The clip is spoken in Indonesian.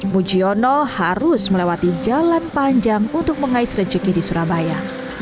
mujiono harus melewati jalan panjang untuk mengais rejeki di surabaya